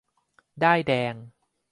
ด้ายแดง ?